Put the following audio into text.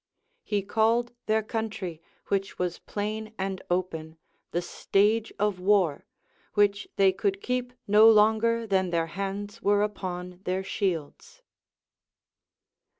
He called their country, which was plain and open, the stage of war, which they could keep no longer than their hands were upon their shields.